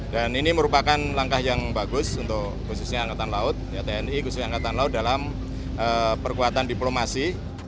dan ini merupakan langkah yang bagus untuk tni khususnya angkatan laut dalam perkuatan diplomasi